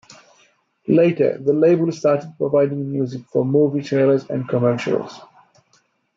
Later, the label started providing music for movie trailers and commercials.